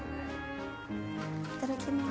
いただきます